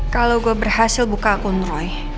kalau gue berhasil buka akun roy